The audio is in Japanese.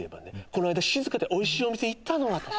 この間静かでおいしいお店行ったの私